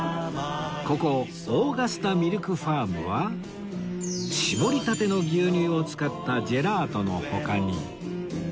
ここオーガスタミルクファームは搾りたての牛乳を使ったジェラートの他に